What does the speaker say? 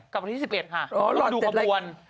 กลับวันที่๑๑ค่ะต้องไปดูเขาปวน